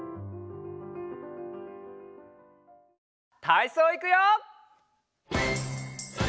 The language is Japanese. たいそういくよ！